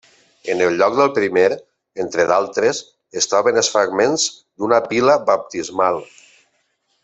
En el lloc del primer, entre d'altres, es troben els fragments d'una pila baptismal.